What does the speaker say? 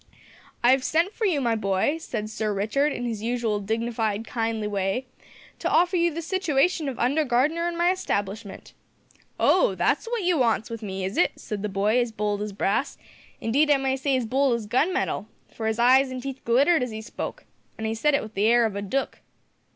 "`I've sent for you, my boy,' said Sir Richard, in his usual dignified, kindly way, `to offer you the situation of under gardener in my establishment.'" "`Oh! that's wot you wants with me, is it?' said the boy, as bold as brass; indeed I may say as bold as gun metal, for his eyes an' teeth glittered as he spoke, and he said it with the air of a dook.